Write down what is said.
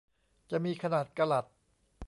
จะมีขนาดกะรัต